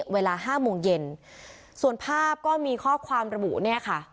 เวลาห้าโมงเย็นส่วนภาพก็มีข้อความระบุเนี่ยค่ะ